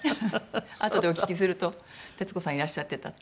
あとでお聞きすると徹子さんいらっしゃってたって。